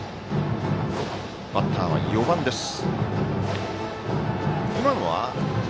バッターは４番です。